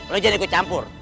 lu jangan ikut campur